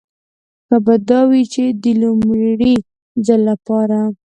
ښه به دا وي چې د لومړي ځل لپاره.